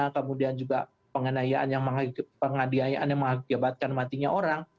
kemudian juga penganiayaan yang mengakibatkan matinya orang